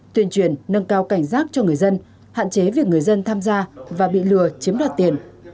tuyên truyền nâng cao cảnh giác cho người dân hạn chế việc người dân tham gia và bị lừa chiếm đoạt tiền